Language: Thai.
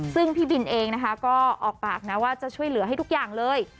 ซึ่งพี่บินเองนะคะก็ออกปากนะว่าจะช่วยเหลือให้ทุกอย่างเลย